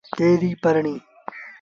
تيّڙيٚ ڀرڻيٚ۔